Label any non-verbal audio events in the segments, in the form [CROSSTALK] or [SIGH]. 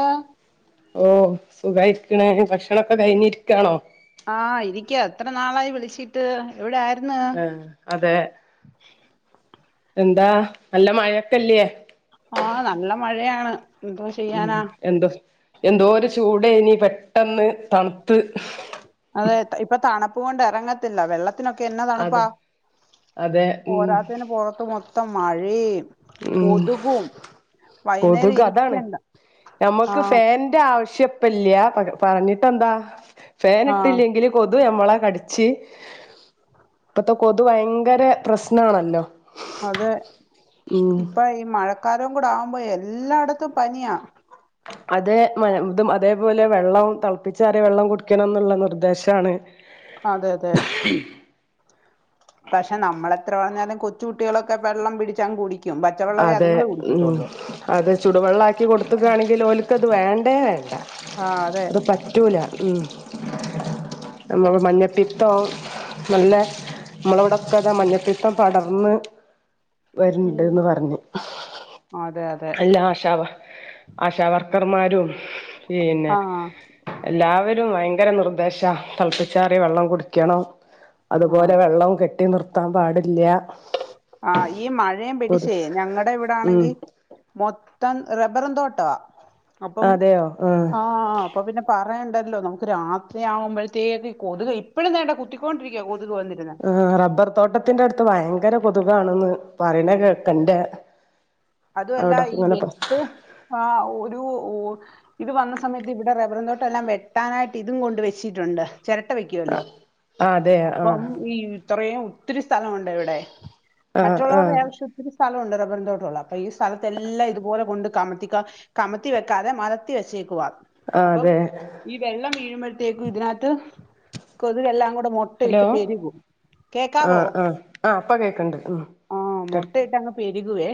ആഹ് ഓഹ സുഖായിരിക്ക്ണേ ഭക്ഷണൊക്കെ കഴിഞ്ഞി ഇരിക്കാണോ ആഹ് ഇരിക്ക എത്ര നാളായി വിളിച്ചിട്ട് എവിടെ ആയിരുന്ന് ആഹ് അതെ എന്താ നല്ല മഴൊക്കല്ലേ ആഹ് നല്ല മഴയാണ് എന്തോ ചെയ്യാനാ എന്തും എന്തോരു ചൂടേനി പെട്ടെന്ന് തണ്ത്ത് അതെ ഇപ്പൊ തണപ്പ് കൊണ്ട് എറങ്ങത്തില്ല വെള്ള ത്തിനൊക്കെ എന്നാ തണുപ്പാ അതെ അതെ ഉം പോരാത്തേന് പുറത്ത് മൊത്തം മഴിം ഉം കൊതുകും വൈകുന്നേരം കൊതുക് അതാണ് ഇരിക്കണ്ട നമ്മുക്ക് ആഹ് ഫാന്റെ ആവശ്യം ഇപ്പല്ല്യാ പറ പറഞ്ഞിട്ടെന്താ ആഹ് ഫാനിട്ടില്ലെങ്കില് കൊതു നമ്മളെ കടിച്ച് ഇപ്പത്തെ കൊതു ഭയങ്കര പ്രശ്നണല്ലോ അതെ ഇപ്പ ഈ മഴക്കാലം കൂടെ ആവുമ്പോ എല്ലായിടത്തും പനിയാ അതെ! ഇതും അതേപോലെ വെള്ളം തിളപ്പിച്ചാലെ വെള്ളം കുടിക്കണം എന്നുള്ള നിർദേശമാണ്. അതെ! അതെ! [UNINTELLIGIBLE] പക്ഷെ നമ്മളെത്ര പറഞ്ഞാലും കൊച്ചു കുട്ടികളൊക്കെ വെള്ളം പിടിച്ചങ്ങ് കുടിക്കും. പച്ചവെള്ളവെ അതെ അതുങ്ങള് ഉം കുടിക്കത്തുള്ളൂ. അത് ചുടുവെള്ളാക്കി കൊടുക്കുകയാണെങ്കിൽ ഓലുക്കത് വേണ്ടേ വേണ്ട. ആഹ് അതെ അത് പറ്റ! പറ്റൂല. ഉം! നമ്മള് മഞ്ഞപ്പിത്തോ! നല്ല നമ്മളവിടൊക്കെ മഞ്ഞപ്പീത്തം പടർന്ന്! വരണ്ടെന്ന് പറഞ്ഞ്. അതെയതെ! അല്ലാ ആശ ആശാവർക്കർമാരും പിന്നെ! ആഹ് എല്ലാവരും ഭയങ്കര നിർദ്ദേശാ തിളപ്പിച്ചാറിയ വെള്ളം കുടിക്കണം. ആഹ് അതുപോലെ വെള്ളവും കെട്ടി നിർത്താൻ പാടില്ല. ആഹ ഈ മഴയും കൊതു പിടിച്ചേ ഞങ്ങളടെ ഉം ഇവിടാണെങ്കിൽ! മൊത്തം റബ്ബറും തോട്ടമാ അപ്പം അതെയോ ആഹ് ആഹ! അപ്പൊ പിന്നെ പറയേണ്ടല്ലോ നമുക്ക് പിന്നെ രാത്രിയാവുമ്പോഴത്തേക്ക് ഈ കൊതുക് ഇപ്പോഴും ദേണ്ടെ കുത്തിക്കൊണ്ടിരിക്കുകയ കൊതുക് വന്ന്! ആഹ്! റബ്ബർ തോട്ടത്തിന്റെ അടുത്ത് ഭയങ്കര കൊതുകാണെന്ന്. പറയണെ കേക്കണ്ടെ? അതുവല്ല ഈ വിത്ത് ആ ഒരു! ഇത് വന്ന സമയത്ത് ഇബ്ടെ റബ്ബറുംതോട്ടല്ലാം വെട്ടാനായിട്ട് ഇതും കൊണ്ട് വെച്ചിട്ടുണ്ട്. ചെരട്ട വെക്കുവല്ലോ. ആഹ് അതെ അപ്പം ആഹ് ഈ ഇത്രേയും ത്തിരി സ്ഥലമുണ്ട് വിടെ. ആഹ് ആഹ് മറ്റുള്ളവര്ടെയാവശ്യത്തിന് സ്ഥലമുണ്ട്. റബറിൻ തോട്ടോള്ള ഈ സ്ഥലത്തെല്ലാം ഇതുപോലെ കൊണ്ട് കമത്തിക്ക. കമത്തി വെക്കാതെ മലർത്തി വെച്ചേക്കുവാ. ആഹ് അപ്പം അതെ ഈ വെള്ളം വീഴുമ്പോഴത്തേക്കും ഇതിനാത്ത് കൊതുകെല്ലാം കൂടെ മൊ ഹലോ ട്ടയിട്ട് പെര്കും. കേക്കാവോ? ആഹ് ആഹ് ആഹ് ഇപ്പ കേക്കണ്ട് ഉം ആഹ്. മൊട്ടയിട്ടങ്ങ് പെര്കുവേ.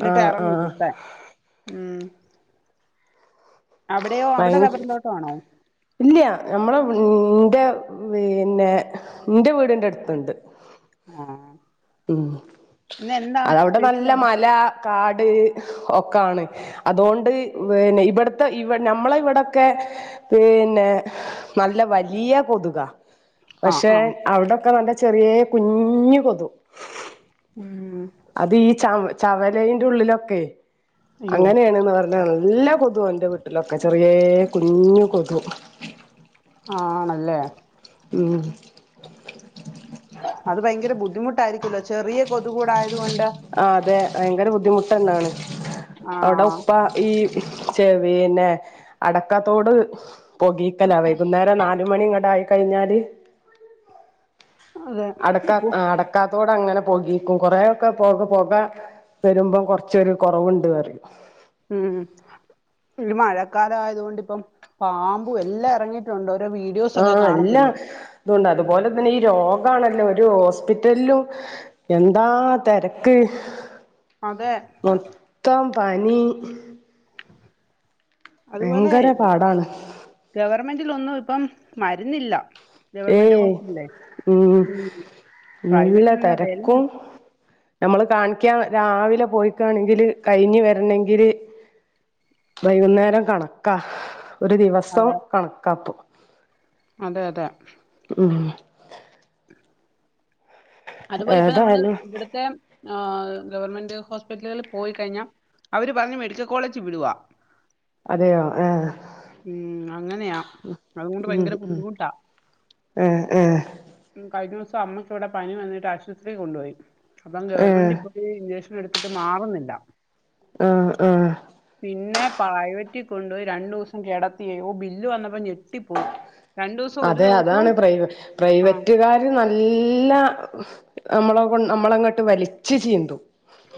ന്നട്ട് ആഹ് എറങ്ങും ആഹ് കുത്താൻ. ഉം അവ്ടെയോ? അവ്ടെ റബ്ബറിൻ തോട്ടാണോ? ഇല്ല്യ. നമ്മള്ള ന്റെ വിന്നെ ൻ്റെവീട്ൻ്റെ അട്ത്ത്ണ്ട്. ആഹ് ഉം. അതൗടെ സ്പെഷ്യൽ നല്ല അവിടെ മല, കാട് ഒക്കാണ്. അതോണ്ട് ബ് ന്നെ ഇബട്ത്തെ ഇവ നമ്മളെ ഇവടൊക്കേ പിന്നെ നല്ല വലിയ കൊത്കാ. ആ പക്ഷെ ആ അവ്ടൊക്കെ നല്ല ചെറിയ കുഞ്ഞ് കൊതു ഉം അത് ഈ ചവ ചവലേൻ്റെുള്ളിലൊക്കേ. അയ്യോ അങ്ങനേണ്ന്ന് പ നല്ല കൊതുകാൻ്റെവീട്ടിലൊക്കെ ചെറിയേ കുഞ്ഞ് കൊതു. ആണല്ലേ? ഉം അത് ഭയങ്കര ബുദ്ധിമുട്ടായിരിക്കല്ലോ. ചെറിയ കൊതുകൂടെ ആയത്കൊണ്ട്. ആഹ്. അതെ. ഭയങ്കര ബുദ്ധിമുട്ടന്നാണ് ആ അവ്ടെ ഉപ്പാ ഈ ചെ പിന്നെ അടക്കാത്തോട് പൊകീക്കലാ. വൈകുന്നേരം നാലുമണിങ്ങട്ടായിക്കഴിഞ്ഞാല് അതെ അടക്കാ കു- അടക്കാത്തോടങ്ങനെ പൊകീക്കും. കുറേക്കെ പൊക, പൊക വരുമ്പം കൊർച്ചൊരു കൊറവ്ണ്ട് റിയും. ഉം പ്പ ഈ മഴക്കാലായത്കൊണ്ട് പ്പം പാമ്പും എല്ലാ എറങ്ങിയിട്ടുണ്ട്. ഒര് വീ ആഹ്. എല്ലാ തുവൊണ്ടാ. അതുപോലെ തന്നെ ഈ രോഗണല്ലോ ഒര് ഹോസ്പിറ്റൽലും എന്താ തെരക്ക്. അതെ. മൊത്തം പനി അത്പോലെയ് ഭയങ്കര പാടാണ് ഗവർമെന്റലൊന്നും ഇപ്പം മര്ന്നില്ല. ഏയ്. ഉം. നല്ല പ്രൈവറ്റിലുള്ള തെരക്കും വിലയാണ് ഞമ്മള് കാണ്ക്ക്യാ രാവിലെ പോയിക്കാണെങ്കില് കഴിഞ്ഞ് വെരണെങ്കില് വൈകുന്നേരം കണക്കാ. ഒര് ദിവസം അതെ കണക്കാ പ്പം. അതെ അതെ ഉം അത്പോലെ ഇപ്പ നമ്മള് ഏതായാലും ഇവ്ട്ത്തെ ആഹ് ഗെവൺമെൻ്റ് ഹോസ്പിറ്റല്കളില് പോയിക്കഴിഞ്ഞാ അവര് പർഞ്ഞ് മെഡിക്കൽ കോളേജിൽ വിടുവാ അതെയോ ഏഹ് ഉം അങ്ങനെയാ. അത്കൊണ്ട് ഭയങ്കര ബുദ്ധിമുട്ടാ ഏഹ് ഏഹ് ഉം. കഴ്ഞ്ഞോസം അമ്മക്കിവ്ടെ പനി വന്നിട്ട് ആശുപത്രീ കൊണ്ടൊയി. അപ്പം ആഹ് ഗവൺമെന്റീ പോ തീ ഇൻജെക്ഷനെട്ത്ത്ട്ട് മാറുന്നില്ല. ആഹ് ആഹ് പിന്നെ പ്രൈവറ്റീ കൊണ്ടോയ് രണ്ടൂസം കെടത്ത്യേ. ഓഹ് ബില്ല് വെന്നപ്പം ഞെട്ടിപ്പോയി. രണ്ടു ദിവസം ഒരു അതെ. ദിവസവും അതാണ് പ്രൈവ ആ പ്രൈവറ്റ്കാ റ്റാര് നല്ല നമ്മളെകൊൺ നമ്മളെങ്ങട്ട് വലിച്ച് ചീന്തും.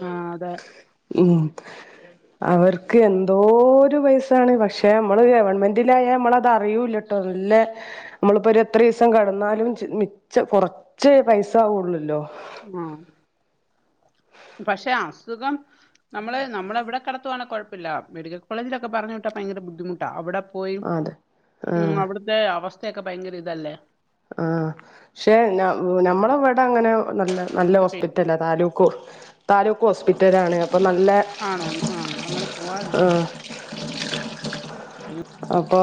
ആഹ് അതെ ഉം അവർക്ക് എന്തോരു പൈസാണ് പക്ഷെ മ്മള് ഗവൺമെന്റിലായാ മ്മളത റിയൂല ട്ടൊനുല്ലേ മ്മള് പ്പൊരെത്രീസം കെടന്നാലും ച് മിച്ചം കൊറച്ചെ പൈസാവൊള്ളുല്ലോ ആഹ് പക്ഷെ അസുഗം നമ്മള് നമ്മളെവ്ടെ കെട്ത്തുവാണെ കൊഴ്പ്പല്ലാ മെഡിക്കൽ കോളേജ്ലൊക്കെ പറഞ്ഞ് വിട്ടാ ഭയങ്കര ബുദ്ധിമുട്ടാ അവ്ട പോയി അതെ ഉം ആഹ് അവ്ട്ത്തെ അവസ്ഥെക്കെ ഭയ്ങ്കര ഇതല്ലേ ആഹ് ക്ഷെ ന ഉം, ഞമ്മളെവ്ടങ്ങനെ നല്ല അതുകൊണ്ട് പേടി നല്ലോസ്പിറ്റലാ താലൂക്കു താലൂ ക്കോസ്പിറ്റലാണ് പ്പം നല്ലേ ആണോ ആ, ഞങ്ങളങ്ങനെ ആഹ് അയിന് അപ്പോ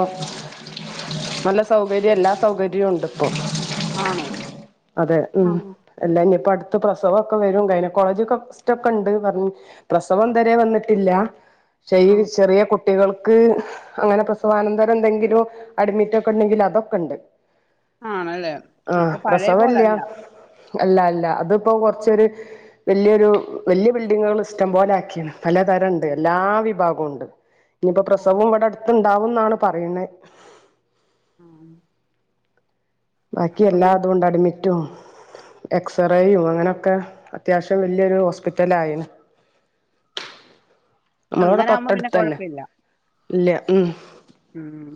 നല്ല സൗകര്യെല്ലാ സൗകര്യൂണ്ട് പ്പോ ആണോ അതെ ആ ഉം അല്ല ഞിപ്പട്ത്ത് പ്രസവൊക്കെ വെരും ഗയ്നകോളേജ്ക്കെ ക്സ്റ്റൊക്കെണ്ട് ന്നർഞ്ഞ് പ്രസവം തരെ വന്നിട്ടില്ല ക്ഷെ ഈ ആ ചെറിയ കുട്ടികൾക്ക് അങ്ങനെ പ്രസവാനന്തരന്തെങ്കിലും അഡ്മിറ്റൊക്കെണ്ടെങ്കില തൊക്കെണ്ട് ആണല്ലേ ആഹ് അപ്പൊ പഴയ പ്രസവെല്ല്യാ പോലല്ല അല്ല അല്ല അത്പ്പം കൊറ്ച്ചൊര് വെല്ല്യൊരു വല്ല്യ ബിൽഡിങ്ങള് സ്റ്റം പോലാക്കീണ് പലതരണ്ട് എല്ലാ വിബാഗൊണ്ട്. ഞ്ഞിപ്പോ ആഹ് പ്രസവൊം വട ട് ത്ത്ണ്ടാവുംന്നാണ് പറീണ ആഹ് ബാക്കി അപ്പം പിന്നെ എല്ലാതൂണ്ടട്മിറ്റും എക്സെറേയും അങ്ങനൊക്കെ അത്യാവ്ശ്യം വല്ല്യൊരു ഹോസ്പിറ്റലായിണ് അങ്ങനാവുമ്പം പിന്നെ കൊഴ്പ്പെല്ല ഇല്ല്യ. ഉം ഊം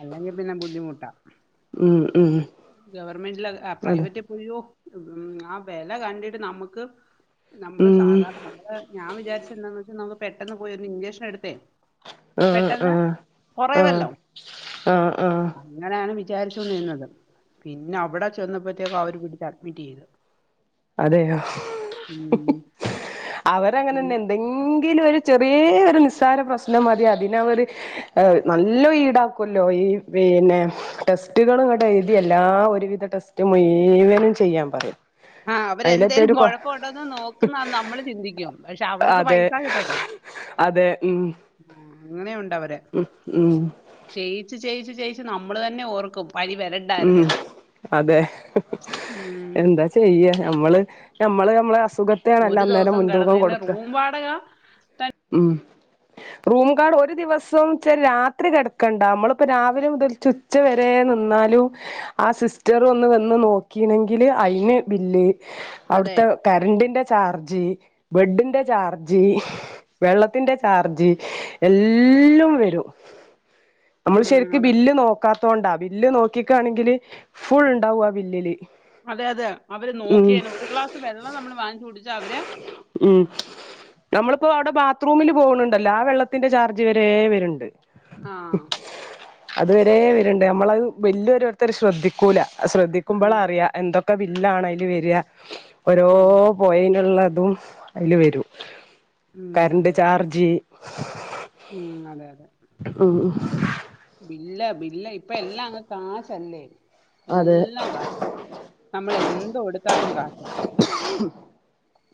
അല്ലെങ്കി പിന്നെ ബുദ്ധിമുട്ടാ ഉം ഉം ഗവർമെൻ്റിലത് അ അതെ പ്രൈവറ്റ് ഉയ്യോ ഉം ആ വെല കണ്ടിട്ട് നമ്മക്ക് നമ്മള് ഉം സാദാ നമ്മള് ഞാ വിചാര്ച്ചെന്താന്ന് വെച്ചാ നമു പെട്ടെന്ന് പോയൊരി ൻചെക്ഷനെട്തേ ആ ആഹ് ആ കുറയുവല്ലോ ആ ആഹ് അങ്ങനെയാണ് വിചാരിച്ചോണ്ടിരുന്നത് പിന്നവിടെ ചെന്നപ്പോഴത്തേക്കു അവര് പിടിച്ചഡ്മിറ്റെയ്ത്. അതെയോ ഉം ഉം അവരങ്ങനെന്നെ ന്തെ ങ്കിലൊരു ചെറിയേ ഒരു നിസ്സാര പ്രശ്നം മതി അതിനവര് എ നല്ലോ ഈടാക്കൊല്ലോ ഈ പിന്നെ ടെസ്റ്റുകള് ങ്ങട്ടെയ്തി എല്ലാ ഒരുവിധ ടെസ്റ്റ് മുയ്‌വനും ചെയ്യാൻ പറിയും ആഹ് അവരെന്തേലും കൊഴപ്പണ്ടോന്ന് നോക്കുന്ന നമ്മള് ചിന്തിക്കും പക്ഷെ അവർക്ക് അതെ പൈസാ കിട്ടണ്ടേ [INAUDIBLE] അതെ ഉം ആ അങ്ങനെ ഉണ്ടവര് ഉ ഊം ചെയ്യിച്ച് ചെയ്യിച്ച് ചെയ്ച്ച് നമ്മള് തന്നെ ഓർക്കും പനി വര ഉം അതെ ഉം എന്താ ച് ചെയ്യാ ഞമ്മള് ഞമ്മള് ഞമ്മളെ ഒരു അസുഖത്തേനല്ലന്നേരം ദിവസം മുൻതൂക്കം കിടന്നതിന് കൊടുക്ക റൂം വാടക ഉം റൂം കാർഡ് ഒരു ദിവസം ച രാത്രി കെടക്കണ്ട മ്മള്പ്പോ രാവിലെ മുതൽ ചുച്ച വരെ നിന്നാൽ ലു ആ സിസ്റ്ററൊന്ന് വന്ന് നോക്കീണെങ്കില് അയിന് ബില്ല് അതെ അവിടുത്തെ കരണ്ടിന്റെ ചാർജ് ബെഡ്ഡിന്റെ ചാർജി വെള്ളത്തിന്റെ ചാർജ് എല്ലൊം വെരും നമ്മള് ഉം ശരിക്ക് അതെ ബില്ല് നോക്കാത്തോ ണ്ടാ ബില്ല് നോക്കിക്കാണെങ്കില് ഫുൾ ഉണ്ടാവുംആ ബില്ലില് അതെ അതെ അവര് ഉം നോക്കിയേന് ഒരു ഗ്ലാസ് വെള്ളം നമ്മള് വാങ്ങിച്ചു കുടിച്ചാ അവര് ഉം നമ്മളിപ്പൊ അവിടെ ബാത്റൂമിൽ പോകണ് ണ്ടല്ലോ ആ വെള്ളത്തിന്റെ ചാർജ് വരെ വര ൻണ്ട് ആ അത് വരേ വര്ണ്ട് നമ്മളത് ബില്ല് ഒരോര്ത്തര് ശ്രദ്ധിക്കൂല അത് ശ്രദ്ധിക്കുമ്പോൾ ഉം, അറിയ എന്തൊക്കെ ബില്ലാണ് അതില് വെര രോ അതെ പോയേനുള്ളതും അയില് വരും ഉം കറണ്ട് അതെ ചാർജ് ഉം അതെ അതെ ഉംഉം ബില്ല ബില്ല ഇപ്പ എല്ലാം അങ്ങ് കാശല്ലേ അതെ എല്ലാം കാശാ നമ്മൾ എന്ത് കൊടുത്താലും കാശാ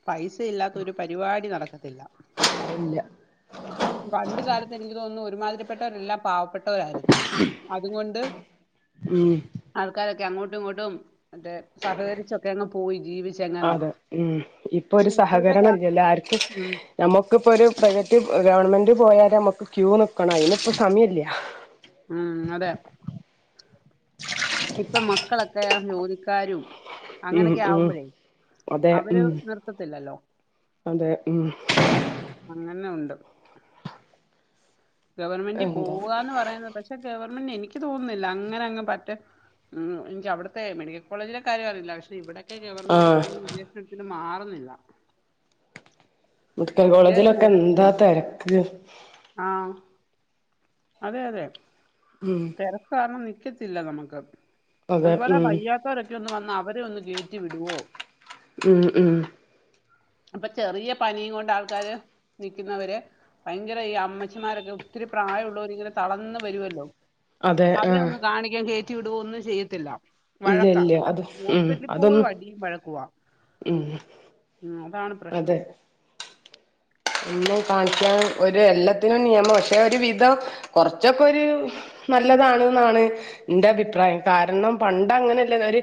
പൈസ ഇല്ലാത്ത ഒരു പരിപാടി നടക്കത്തില്ല അത്ഇല്ല പണ്ട് കാലത്ത് എനിക്ക് തോന്നുന്നു ഒരുമാതിരിപ്പെട്ടവരെല്ലാം പാവപ്പെട്ട ട്ടവരാര്ന്നു അത് കൊണ്ട് ഉം ആൾക്കാരൊക്കെ അങ്ങോട്ടും ഇങ്ങോട്ടും മറ്റേ സഹകരിച്ചൊക്കെ അങ്ങ് പോയി ജീവി അതെ ഉം ഇപ്പൊ ഒരു ഇപ്പോഴത്തെ കാ സഹകരണം ഇല്ലല്ല ആർക്കും ഉം നമ്മുക്ക്പ്പൊ ഒരു പ്രൈവറ്റ് ഗവൺമെന്റ് പോയാല് നമ്മുക്ക് ക്യൂ നിക്കണം അയിനിപ്പൊ സമയില്ല ഉം അതെ ഇപ്പൊ മക്കളൊക്കെ ജോലിക്കാരും ഉം അങ്ങനൊക്കെ ഉം ആവുമ്പഴെ അതെ അവര് ഉം നിർത്തത്തില്ലല്ലോ അതെ ഉം അങ്ങനെ ഉണ്ട് ഗവൺമെന്റി എന്താ പോവാന്ന് പറയുന്നത് പക്ഷെ ഗവൺമെന്റ് എനിക്ക് തോന്നുന്നില്ല അങ്ങനെ അങ്ങ് പറ്റെ ഉം എനിക്ക് അവിട്ത്തെ മെഡിക്കൽ കോളേജിലെ കാര്യം അറിയില്ല പക്ഷെ ഇവിടെ ഒക്കെ ഗവർൺമെന്റ് ആഹ് പോയി ഇൻജെക്ഷൻ എടുത്തിട്ട് മാറുന്നില്ല മെഡിക്കൽ ഇഞ്ചക്ഷൻ കോളേജിലൊക്കെ എന്താ തെരക്ക്‌ ആഹ് അതെ അതെ ഉം തെരക്ക് കാരണം നിക്കത്തില്ല നമ്മ ക്ക് അതെ അതുപോലെ ഉം വയ്യാത്തോരൊ ക്കെഒന്ന് വന്ന അവരെ ഒന്ന് കേറ്റി വിടുവൊ ഉം ഉം അപ്പൊ ചെറിയ പനീം കൊണ്ട് ആൾക്കാര് നിക്കുന്നവര് ഭയങ്കര ഈ അമ്മച്ചിമാരൊക്കെ ഒത്തിരി പ്രായഉള്ളോര് ഇങ്ങനെ തളന്ന് വരുവല്ലോ അതെ അവരെ ആഹ് ഒന്ന് കാണിക്കാൻ കയറ്റി വിടൊ ഒന്നും ചെയ്യത്തില്ല ഇല്ല വഴക്ക ഇല്ല അത് ഉം ഹോസ്പിറ്റലിൽ പോലും അതൊന്നും അടിയും വഴക്കുവാ ഉം ഉം അതാണ് അതെ ! ! ! ! ! ! ! ! ഇന്നും കാണിക്കാൻ ഒരു എല്ലാത്തിനും നിയമം പക്ഷെ ഒരു വിധം കൊറച്ചൊക്കൊരു നല്ലതാണ്ന്നാണ് ന്റെ അഭിപ്രായം കാരണം പണ്ട് അങ്ങനല്ല ഒരു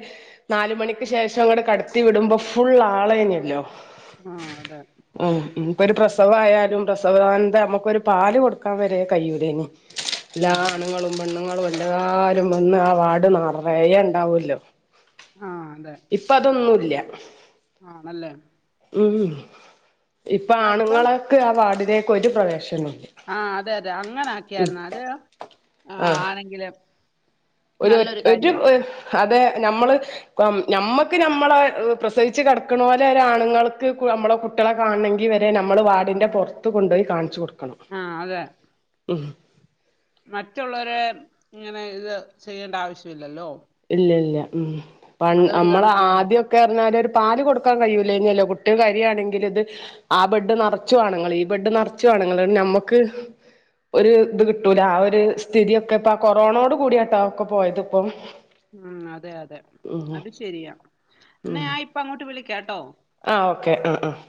നാല് മണിക്ക് ശേഷം ങ്ങട്ട് കടത്തി വിടുമ്പൊ ഫുൾ ആളേനല്ലോ ആ അതെ ഉ ഇപ്പൊ ഒരു പ്രസവായാലും പ്രസവാനന്ത നമ്മുക്കൊരുപാല് കൊടുക്കാ വരെകഴിയൂലാ ഞ് എല്ലാ ആഹാ. ആണുങ്ങളും പെണ്ണുങ്ങളും എല്ലാരും വന്ന് ആ വാർഡ് നെറയെ ഉണ്ടാവോല്ലൊ ആ അതെ ഇപ്പ അതൊന്നുല്ല ആണല്ലേ ഉം ഇപ്പൊ ആ ഇപ്പം ആണുങ്ങളക്ക് ആ വാർഡിലേക്ക് ഒരു പ്രവേശനുല്ല ആ അതെ അതെ അങ്ങനെ ആക്കിയാര്ന്ന് അത് ആ ആണെങ്കിലും ഒരൊറ്റ് ഒരു അതേ ഞമ്മള് ഞമ്മക്ക് ഞമ്മളെ പ്രസവിച്ച് കടക്ക്ണോലെ ഒരാണുങ്ങൾക്ക് കു ഞമ്മളെ കു കുട്ടീളെ കാണെങ്കി വരെ ഞമ്മള് വാടിൻ്റെ പൊറ്ത്ത് കൊണ്ടോയി കാണിച്ച് കൊട്ക്കണം ആഹ് അതെ ഉം മറ്റുള്ളവരേ ഇങ്ങനെ ഇത് ചെയ്യേണ്ട ആവശ്യ വില്ലല്ലൊ ഇല്ല ഇല്ല ഉം പൺ കണക്കിന് അമ്മളാദ്യ ഒക്കെ അർഞ്ഞാല് ഒരു പാല് കൊട്ക്കാൻ കയ്യൂലേനലൊ കുട്ടീള് കര്യാണെങ്കിലു ഇത് ആഹ് ബെഡ്ഡ് നെറച്ചും ആണുങ്ങള് ഈ ബെഡ്ഡ് നെറച്ചു ആണുങ്ങള് ണ്ട്ട് ഞമ്മക്ക് ഒര് ഇത് കിട്ടൂല ആഹ് ഒരു സ്ഥിതി ഒക്ക ഇപ്പ ആഹ് കൊറോണോട് കൂടിയാട്ടൊ അയൊക്ക പോയത് ഇപ്പം ഉം അതെ അതെ ഉം അത് ശരിയാ ന്നഞ ഇപ്പ അങ്ങോട്ട് വിളിക്കാട്ടോ ആഹ് ഓക്കെ ആഹ് ആഹ്